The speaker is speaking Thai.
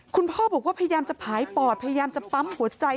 คุณพ่อบอกว่าพยายามจะผายปอดพยายามจะปั๊มหัวใจ